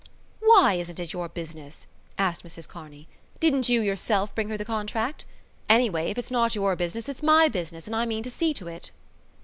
"Why isn't it your business?" asked Mrs Kearney. "Didn't you yourself bring her the contract? Anyway, if it's not your business it's my business and I mean to see to it."